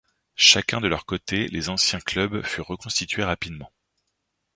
Chacun de leur côté, les anciens clubs furent reconstitués rapidement.